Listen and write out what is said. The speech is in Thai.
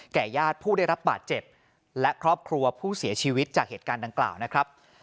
ญาติผู้ได้รับบาดเจ็บและครอบครัวผู้เสียชีวิตจากเหตุการณ์ดังกล่าวนะครับ